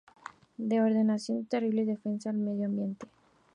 De Ordenación del Territorio y Defensa del Medio Ambiente.